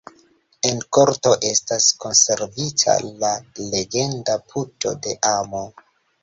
En korto estas konservita la legenda Puto de amo.